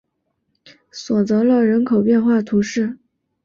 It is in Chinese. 索泽勒人口变化图示